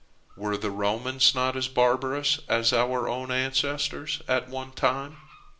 Were the Romans not as barbarous as our own ancestors at one time?